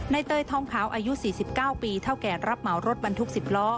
เตยทองขาวอายุ๔๙ปีเท่าแก่รับเหมารถบรรทุก๑๐ล้อ